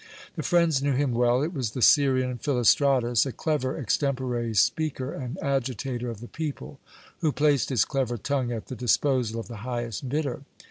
The friends knew him well. It was the Syrian Philostratus, a clever extempore speaker and agitator of the people, who placed his clever tongue at the disposal of the highest bidder.